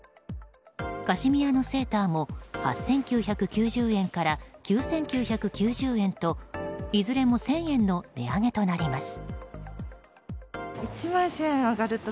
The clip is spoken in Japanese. カシミヤのセーターも８９９０円から９９９０円といずれも１０００円の値上げとなります。